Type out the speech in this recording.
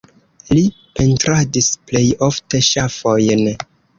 Li pentradis plej ofte ŝafojn.